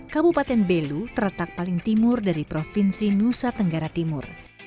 kabupaten belu terletak paling timur dari provinsi nusa tenggara timur